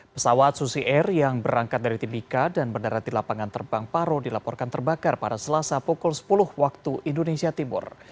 pesawat susi air yang berangkat dari timika dan mendarat di lapangan terbang paro dilaporkan terbakar pada selasa pukul sepuluh waktu indonesia timur